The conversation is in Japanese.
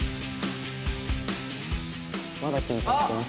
まだ緊張してます。